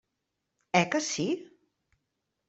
Eh que sí?